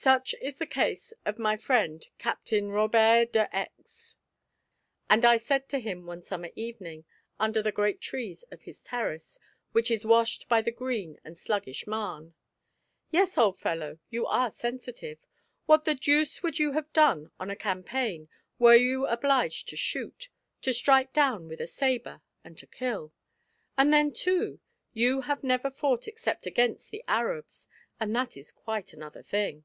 Such is the case of my friend Captain Robert de X . And I said to him one summer evening, under the great trees of his terrace, which is washed by the green and sluggish Marne: "Yes, old fellow, you are sensitive. What the deuce would you have done on a campaign where you were obliged to shoot, to strike down with a sabre and to kill? And then, too, you have never fought except against the Arabs, and that is quite another thing."